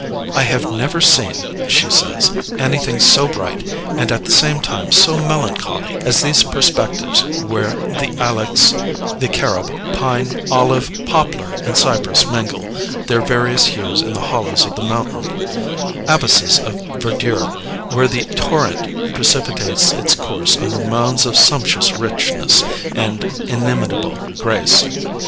"I have never seen," she says, "anything so bright, and at the same time so melancholy, as these perspectives where the ilex, the carob, pine, olive, poplar, and cypress mingle their various hues in the hollows of the mountain, abysses of verdure, where the torrent precipitates its course under mounds of sumptuous richness and an inimitable grace....